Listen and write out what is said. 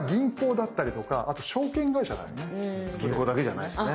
銀行だけじゃないんですね。